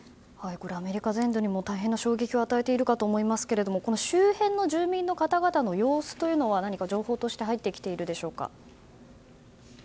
アメリカ全土にも大変な衝撃を与えていると思いますが周辺の住民の方々の様子は何か情報として入ってきているでしょうか？